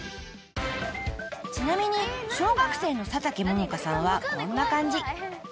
［ちなみに小学生の佐竹桃華さんはこんな感じ］